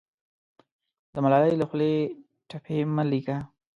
د ملالۍ له خولې ټپې مه لیکه